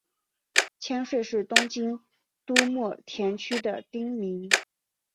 千岁是东京都墨田区的町名。